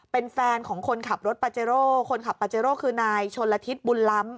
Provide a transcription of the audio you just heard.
เป็นแฟนของคนขับรถปาเจโร่คนขับปาเจโร่คือนายชนละทิศบุญล้ำ